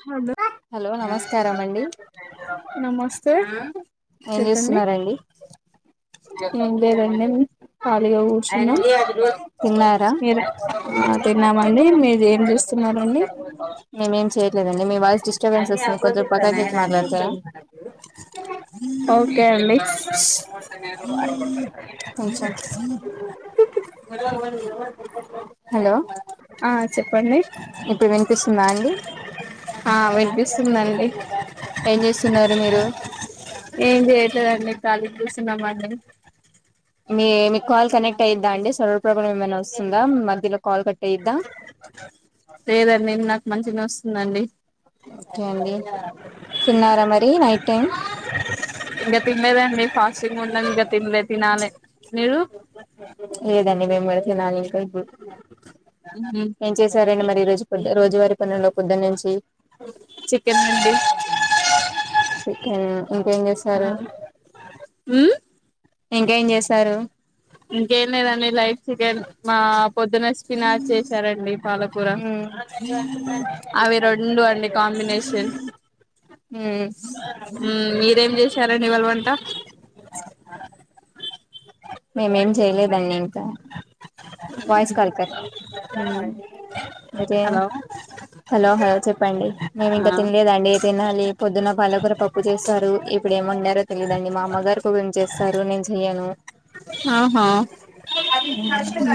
Hello hello నమస్కారం అండి నమస్తే ఏం చెప్పండి చేస్తున్నారండి ఏం లేదండి ఖాళీగా కూర్చున్నా తిన్నారా మీరు తిన్నామండి మీరు ఏం చూస్తున్నారండి చేయలేదండి మీ వాయిస్ డిస్టర్బెన్స్ వస్తుంది కొంచదిరు పక్క కొచ్చి మాట్లాడతారా ఓకే అండి హలో ఆ చెప్పండి ఇప్పుడు వినిపిస్తుందా అండి ఆ వినిపిస్తుందండి ఏం చేస్తున్నారు మీరు ఏం చెయ్యట్లేదండి కాలిగా కూసున్నం అండి మీ మీకు కాల్ కనెక్ట్ అయి్దా అండి సర్వర్ ప్రాబ్లమ్ ఏమైనా వస్తుందా మధ్యలో కాల్ కట్టేద్దా మంచిగా వస్తుందండి ఓకే అండి తిన్నారా మరి నైట్ టైం ఇంకా తిన్లేదండీ ఫాస్టింగ్ ఉన్ నంగా తిన్లె తినాలే మీరు లేదండి మేము పెడితే నానిక ఏం చేశారండి మరి ఈ రోజు కొద్ రోజువారి పనుల్లో పొద్దనుంచి చికెన్ అండి చికెన్ ఇంకేం చేస్తారు ఉమ్ ఇంకా ఏం చేసారు ఇంకేం లేదండి లైట్ చికెన్ మా పొద్దున్న చిన చేశారండి అవి రెండు అండి కాంబినేషన్ ఉమ్ మీరేం చేశారండి ఇవాళ వంట ఉమ్ మేమేం చేయలేదండి ఇంకా వా యిస్ కాల్క ఉమ్ అదే హలో హలో హలో చెప్పండి మేము ఇంకా ఆ తినలేదండి తినాలి పొద్దున్న పాలకూర పప్పు చేస్తారు ఇప్పుడు ఏం వండారో తెలియదండి మా అమ్మగారుం చేస్తారు నేను చెయ్యను ఆహా అష కా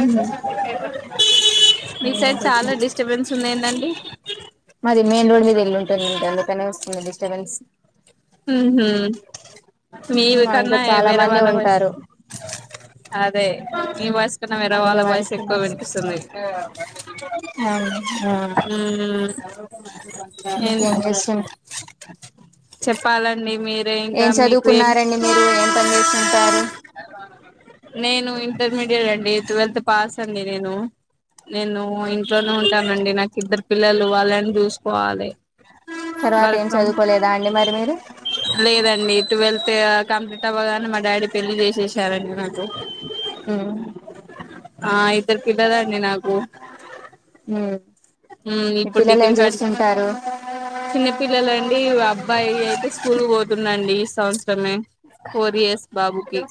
డిస్టబెన్స్ ఉంది ఏందండి మాది మెయిన్ రోడ్ మీద వెళ్ళలుంటుంది అంట అందుకనే వస్తుంది డిస్టర్బెన్స్ మీ మా ఇంట్లో కన్నా చాలా వేరే మంది వాళ్ళ వాయస్ ఉంటారు అదే మీ వాయిస్ కన్నా వేరే వాళ్ళ వాయిస్ ఎక్కువ వినిపిస్తుంది ఉమ్ ఏం ఇంకేం చేస్తునావ్ చెప్పాలండి మీరే ఇంకా ఏం మీకు ఏం చదువుకున్నారండి మీరు ఏం పని చేస్తుంటారు నేను ఇంటర్మీడియట్ అండి ట్వెల్త్ పాస్ అండి నేను నేను ఇంట్లోనే ఉంటానండి నాకు ఇద్దరు పిల్లలు వాళ్ళని చూసుకోవాలి తర్వాత వర్క ఏం ఫ్రమ్ చదువుకోలేదా అండి మరి మీరు లేదండి టవల్త్ కంప్లీట్ అవ్వగాని మా డాడీ పెళ్లి చేసేసారడి ప్పు ఆ ఆ ఇద్దరు పిల్లర అండి నాకు మీ ఇప్పుడు పిల్లలు ఏం డిగ్రీ కా చేస్తుంటారు చిన్న పిల్లలు ఈ అబ్బాయి అయితే స్కూల్ పోతుందండి ఈ సంవత్సరమే ఫోర్ ఇయర్స్ బాబుకి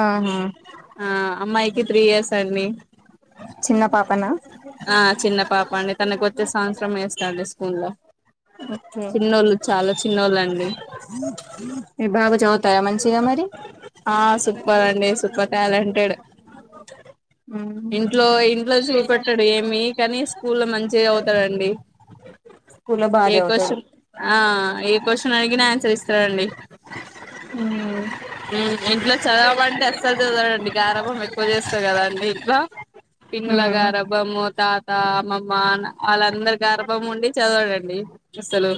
ఆహా ఆ అమ్మాయికి త్రీ ఇయర్స్ అండి చిన్న పాపనా ఆ చిన్న పాప అండి తనకు వచ్చే సంవత్సరం వే స్కూల్ లో ఓకే మీ బాగా చదువుతాయా మంచిగా మరి ఆ సూపర్ అండి సూపర్ టాలెంటెడ్ ఉమ్ ఇంట్లో ఇ ఇట్లో చూపెట్టాడు ఏమి కానీ స్కూ మంచిగా చదువుతాది అండి స్కూల్లో బాగా ఏ చదువుతాడు క్యూస్టియన్ ఏ క్వశ్చన్ అడిగినా ఆన్సర్ ఇస్తాడండి ఉమ్ ఇంట్లో చదవంటే అస్సలు చదవడండి గారం కోం ఎక్కువ చేస్తావు కదా అండి ఇట్లా ఉమ్ తిన్లగారబం మూత్ తాత అమ్మమ్మ వాళ్ళందరి గారాబం ఉండి చదవాడండి అసలు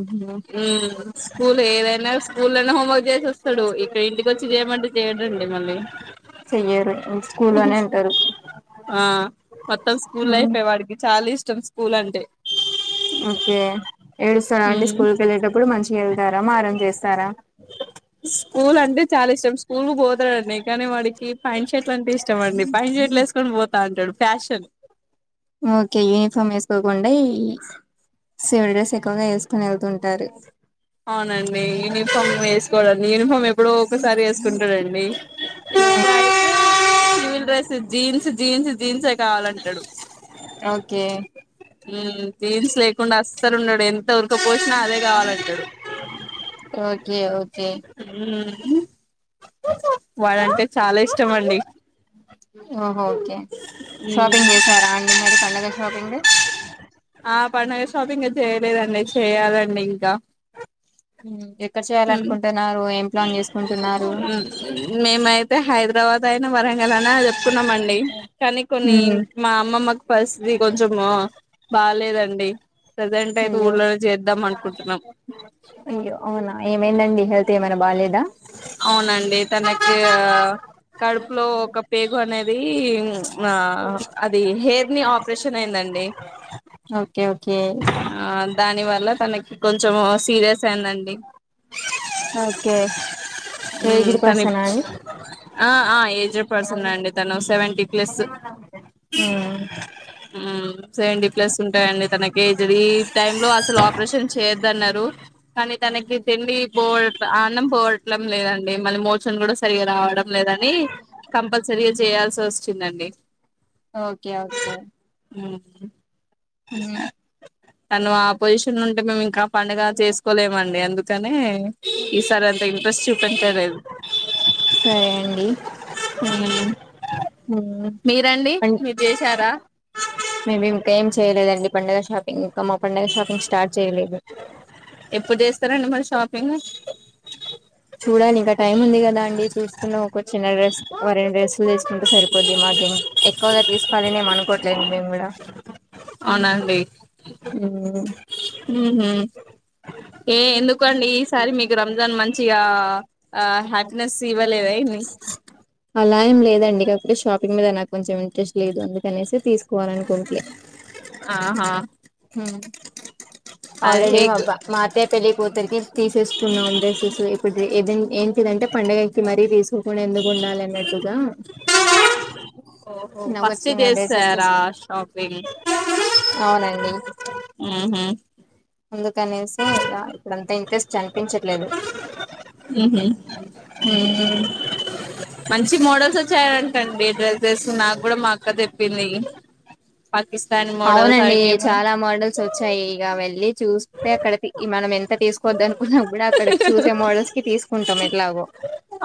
ఉహు ఉమ్ స్కూల్ లో ఏదైనా హోంవర్క్ చేసేస్తాడు ఇక్కడ ఇంటికి వచ్చి చేయమంటే చేయడండి మళ్ళీ చెయ్యరు స్కూల్ అనే ఉంటారు ఆ మొత్తం స్కూల్ ఉమ్ లైఫ్ ఎ వాడికి చా ఇష్టం ఇష్టం స్కూల్ అంటే ఓకే ఏడుస్తారా అండి ఉమ్ స్కూల్ కి వెళ్ళేటప్పుడు మంచిగా వెళ్తారా మారం చేస్తారా స్కూల్ అంటే చాలా ఇష్టం స్కూల్ కు పోతాడండి కానీ వాడికి పాయాంట్ షర్ట్లు అంటే ఇష్టం అండి పాయాంట్ షర్ట్లు వేసుకొని పోతా అంటాడు ఫ్యాషన్ ఓకే యునిఫార్మ్ వేస్కోకండి అదే [unintelligible] సివ డ్రెస్ ఎక్కువగా వేసుకుని వెళ్తుంటారు అవునండి యూనిఫామ్ వేసుకోవడండి యూనిఫామ్ ఎప్పుడో ఒకసారి వేసుకుంటాడండి సివిల్ డ్రెస్ జీన్స్ జీన్స్ జీన్సే కావాలంటాడు ఓకే జీన్స్ లేకుండా అసలు ఉన్నాడు ఎంత ఉరకపోసినా అదే కావాలంటాడు ఓకే ఓకే అ అండి ఓహోఓకే ఉమ్ షాపింగ్ చేసారా అండి మరి పండగ షాపింగ్ ఆ పండుగ షాప్ ఇంకా చేయలేదండి చేయాలండి ఇంకా మ్మ్ ఎక్కడ చేయాలనుకుంటున్నారు ఏం ప్లాన్ చేసుకుంటున్నారు మేమైతే హైదరాబాద్ అయిన వరంగలనే చెప్పుకున్నామ అండి కానీ కొన్ని మ్మ్ మా అమ్మమ్మకు ఫస్ట్ది కొంచెం బాలేదండి ప్రజెంట్ అయిథె అయ్యో ఊలోనే చేద్దాం అనుకుంటున్నా అయ్యో అవునా ఏమైందండి హెల్త్ ఏమైనా బాలేదా అవునండి తనకి కడుపులో ఒకేగు అది అ హెర్ని ఆపరేష ఓకే ఓకే ఆ దాని వల్ల తనకి కొంచెం సీరియస్ సర్ అండి ఓకే ఏజ్డ్ తను పర్సనా అండి ఏజ్డ్ పర్సన్ అండి తను సెవెంటీ ప్లస్ మ్మ్ సేవంటి ప్లస్ ఉంటాయండి తనక ఇ ఈ టైమ్ లో అసలు ఆపరేషన్ చేయొద్దన్నారు కానీ తనకి తిండి పోల్ అన్నం పోవటం లేదండి మళ్ళీ మోచన్ కూడా సరిగా రావడం లేదని కంపల్సరిగా చేయాల్సి వస్తుదండి ఓకే ఓకే హుహు హు తను ఆ పొజిషన్ లో ఉంటే మేము ఇంకా పండుగ చేసుకోలేమండి అందుకు ఈసారి అంత ఇంట్రెస్ట్ చూప క లేదు సరే అండి ఉహ్ మ్మ్ మీరండి మీరు చేసారా మేం ఇంకా ఏం చేయలేదండి పండుగ షాపింగ్ ఇంకా మా పండుగ షాపింగ్ స్టార్ట్ చేయలేదు ఎప్పుడు చేస్తారండి మరి షాపింగ్ చూడాలి ఇంకా టైమ్ ఉంది కదా అండి చూసుకున్న ఒక చిన్న డ్రెస్ వరిన డ్రెస్సులు తీసుకుంటే సరిపోద్ది మాకు ఇం ఎక్కువగా తీసుకోవాలిని ఏం అనుకోవట్లేండి మేము కూడా అవునండి హుం ఊహు ఏ ఎందుకండి ఈసారి మీకు రంజాన్ మంచిగా ఆ హ్యాపీనెస్ ఇవ్వలేద ఏంది టైం లేదండి కాకపోతే షాపింగ్ మీద నాకు కొంచెం ఇంట్రెస్ట్ లేదు అందుకనేసి తీసుకోవాల అనుకోంట్లే ఆహా ఉం ఆల్రెడి అదే మాబ్బా మా అత్తయ్య పెళ్లి కూతురికి తీసేసుకున్నాం డ్రెసెస్ ఇప్పుడు ఎదన్ ఏంటిదంటే పండగకి మరీ తీసుకోకుండా ఎందుకు ఉండాలి అన్నట్టుగా ఓహో చిన్న ఒక చిన్న ఫస్ట్దే డ్రెస్సెస్ సారా షాపింగ్ అవునండి ఉహు అందుకనేసి ఇగా ఇప్పుడంతా ఇంట్రెస్ట్ అన్ ఉహు ఉమ్ మంచి మోడల్స్ వచ్చాయాటండి డ్రెస్సెస్ నాకు కూడా మాక్క తెప్పింది పాకిస్తానీ మోడల్స్ అవునండి అయినేమో చాలా మోడల్స్ వచ్చాయి ఇగ వెళ్ళి చూస్తే అక్కడ కి మనం ఎ ంత తీసుకోద్దను కున్నా కూడా అక్కడ చూసె మోడల్స్ కి తీసుకుంటామె ట్లాగో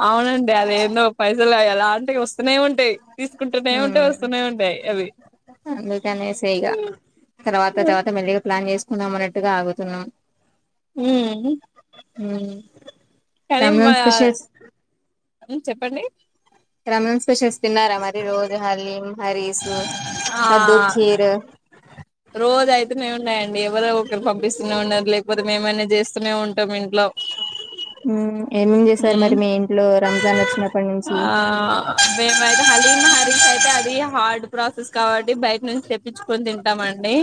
అవునండి అది ఎందో పైసల ఎలా ఎ వస్ వస్తు ఉంటాయి తీసుకుంటునే ఉంటాయి వస్తునే ఉంటాయి అవి అందుకనేసే ఇక నమనెట్టుగా ఆగుతున్నాం ఉం ఉమ్. కనీ మా రంజాన్ స్పెషల్స్ ఉం చెప్పండి రమణస్పషల్స్ తిన్నారా మరి రోజు హలీం హరీసు కద్దుూ కీర్ రోజ అయితేనే ఉన్నాయండి ఎవరో ఒకరు పంపి పిస్తూనే ఉన్నారు లేకపోతే మేమనా చేస్తూనే ఉంటాం ఇంట్లో ఉమ్, ఏమేం చేశారు ఉం మరి మీ ఇంట్లో రంజాన్ వచ్చినప్పటి నుంచి ఆ మేమైతే హలీం హరీష్ అయితే అది హార్డ్ ప్రాసెస్ కాబట్టి బయట నుంచి తెప్పించుకొని తింటామ అండి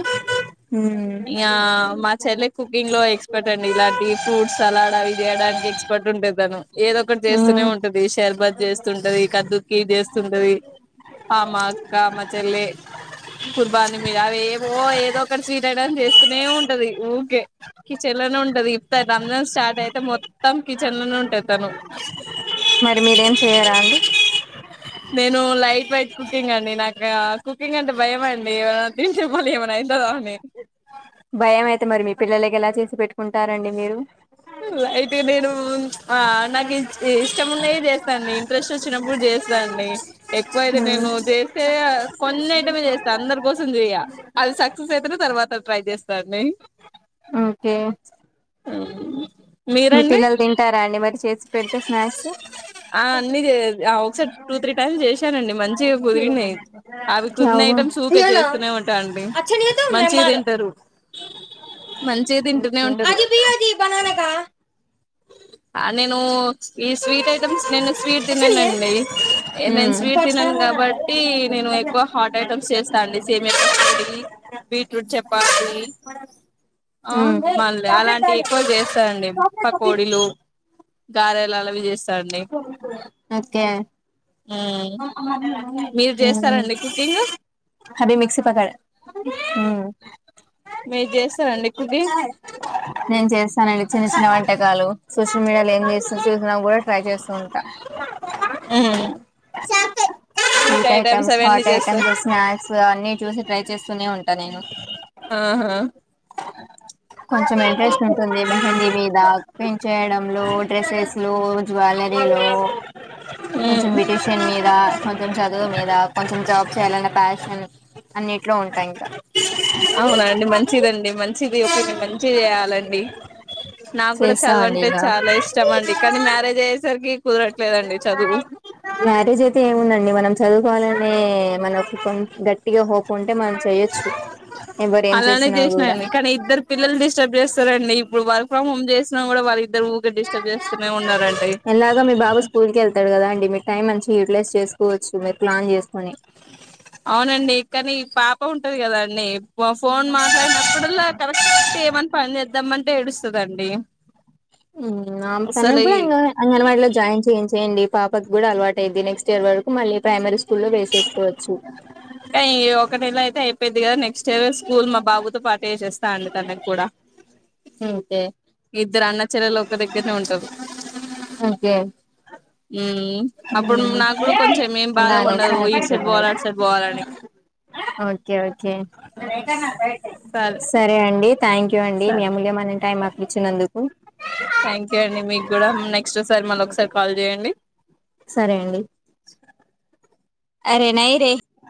ఉమ్, ఇగా మా చెల్లె కుకింగ్ లో ఎక్స్పర్ట్ అండి ఇలాంటి ఫ్రూట్స్ సలాడ్ అవి చేయడానికి ఎక్స్పర్ట్ ఉంటది ఏదొ ఒకటి చేస్తూనే ఉమ్. ఉంటది షర్బత్ చేస్తుంటది కద్దుకిీ చేస్తుంటది ఆ మా అక్క మా చెల్లె కుర్బాని మీద అవి ఏవో ఏదో ఒకటి స్వీట్ ఐటమ్ చేస్తూనే ఉంటది ఊకే కిచెన్ లోనే ఉంటది ఇప్తాన్ రంజాన్ స్టార్ట్ అయితే మొత్తం కిచెన్ లోనే తను మరి మీరేం చెయరా అండి నేను లైట్ వైట్ కుకింగ్ అండి నాకు కు కింగ్ అంటే భయంమండి ఏమనా తింటే మల్లెమన్నా అయితదా అని భయం అయితే మరి మీ పిల్లలకి ఎలా చేసి పెట్టు అయితే నేను ఆ నాకు ఇష్టం ఉన్నాయి చేస్తాండి ఇంట్రెస్ట్ వచ్చినప్పుడు చేస్తాండి ఎక్కువ అయితే ఆ నేను చేస్తే కొన్ని ఐటమె చేస్తా అందరి కోసం చెయ్య అది సక్సెస్ అయితేనే తర్వాత ట్రై చేస్తా అండి ఓకే అం మీ పిల్లలు తింటారా అండి మరి చేసు పెచ్చా స్నాక్స్ ఆ అన్నీ చే ఆ ఒకసారి టూ త్రీ టైమ్స్ చేశానండి మంచిగా కుదిరిన్నాయి అవి కుదిన ఐటెమ్ ఊకే చేస్తూనే ఉంటా అండి మంచిగ తింటరు మంచిగ తింటూనే ఉంటరు ఆ నేను ఈ స్వీట్ ఐటమ్స్ నేను స్వీట్ తిననండి నేను స్వీట్ తినను కాబట్టి నేను ఎక్కువ హాట్ ఐటమ్స్ చేస్తా అండి సేమ్యా కచోడి బీట్రూట్ చపాతి ఆ మళ్ళీ అలాంటి ఎక్కువ చేస్తా అండి ప కోడిలు గారె లలవి జేస్ ఓకే మ్మ్ [unintelligible] మీరు చేస్తారండి కుకింగ్ అవి మక్సీ పటాలి ఉమ్మ్ మీరు చేస్తారండి కుకింగ్ నేను చేస్తాన [unintelligible] చిన్న చిన్న వంటకాలు సోషల్ మీడియాలో ఏం చేస్తు చూసినా కూడా ట్రై చేస్తూ ఉంటా మ్మ్ sweet items hot items snacks అన్ని చూసి ట్రై చేస్తూనే ఉన్ ఆహా కొంచెం ఇంట్రెస్ట్ ఉంటుంది మెహందీ మీద పెయుంట్ చేయడంలో డ్రెస్సెస్ లో వాలరీలో మ్మ్ కొంచెం బ్యూటీషన్ మీద కొంచెం చదువు మీద కొంచెం జాబ్ చేయాలన్న ప్యాషన్ అన్నిట్లో ఉంటా ఇంకా మంచిగ చెయ్యాలండి నాకు కూడా చేస్తామండి చదువంటే ఇక చాలా ఇష్టం అండి కానీ మ్యారేజేస్ మ్యారేజ్ అయితే ఏముందండి మనం చదువుకోవాలనే మనకు కొన్ గట్టిగా హోప్ ఉంటే మనం చేయ్యొచ్చు ఎవరు ఏం అలానే చేసినా కూడా చేసినాండి కానీ ఇద్దరు పిల్లలు డిస్టబ్ చేస్తారండి ప్పుడు వర్క్ ఫ్రమ్ హోమ్ చేస్ ఉన్నారండి ఎలాగో మీ బాబు స్కూల్ కెళ్తాడు కదా అండి మీ టైం మంచి యుటిలైజ్ చేసుకోవచ్చు మీరు ప్లాన్ చేసుకొని అవునండి కానీ పాప ఉంటది కదా అండి వ ఫోన్ మాట్లాడినప్పుడల్లా కరెక్ట్ ఏమని పని చేద్దామని టే ఇడుస్తదండి ఉమ్మ్ ఆం తనని కూడా ఇంగ అంగన్వాడీలో జాయిన్ చేయించేయండి పాపకు కూడా అలవాటు అయిద్ది నెక్స్ట్ ఇయర్ వరకు మళ్ళీ ప్రైమరీ కుల్లో వేసేసుకోవచ్చు టే ఈ ఒక నెలైతే అయిపోయిద్ది గా నెక్స్ చేవే స్కూల్ మా బాబుతో పాటు ఏసేస్తా అండి తనకి కూడా ఉమ్మ్ కే ఇద్దరు అన్నాచెల్లెళ్ళు ఒక్క దెగ్గిరనే ఉంటారు ఓకే ఉమ్ అప్పుడు నాకు కూడా కొంచెం ఏం బాధ ఉండదు ఇటు సైడ్ పోవాలి అటు సైడ్ పోవాలని ఓకే ఒకే సరే అండి థ్యాంక్ యూ అండి మీ సరే అమూల్యమైన టైం మాక్ థ్యాంక్ యూ అండి మీకు కూడా నెక్స్ట్ ఒకసారి మళ్ళ ఒకసారి కాల్ చేయండి సరే అండి అరే నై రే